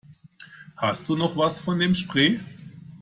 Hast du noch was von dem Spray?